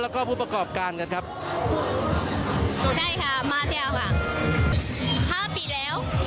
แล้วก็ผู้ประกอบการกันครับใช่ค่ะมาแล้วค่ะห้าปีแล้ว